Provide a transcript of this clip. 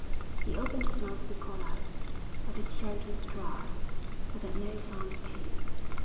He opened his mouth to call out, but his throat was dry, so that no sound came.